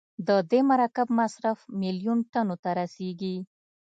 د دې مرکب مصرف میلیون ټنو ته رسیږي.